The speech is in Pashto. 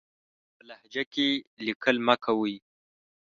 په لهجه کې ليکل مه کوئ!